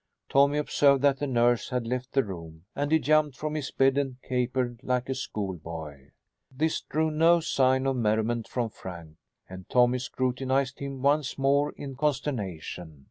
Tommy observed that the nurse had left the room and he jumped from his bed and capered like a school boy. This drew no sign of merriment from Frank, and Tommy scrutinized him once more in consternation.